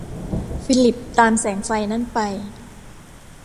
ฟิลิปตามแสงไฟนั่นไป